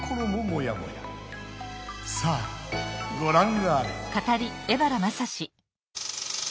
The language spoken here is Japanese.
さあごらんあれ！